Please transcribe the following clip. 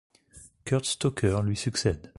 Kurt Stocker lui succède.